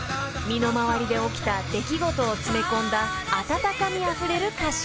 身の回りで起きた出来事を詰め込んだ温かみあふれる歌詞］